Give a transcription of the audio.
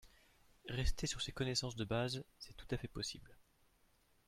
Rester sur ces connaissances de base, c'est tout à fait possible